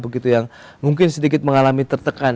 begitu yang mungkin sedikit mengalami tertekan